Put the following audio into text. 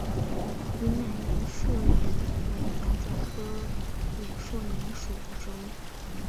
云南眼树莲为夹竹桃科眼树莲属的植物。